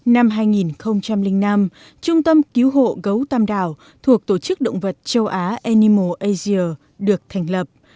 năm hai nghìn năm trung tâm cứu hộ gấu tam đảo thuộc tổ chức động vật châu á animal asia được thành lập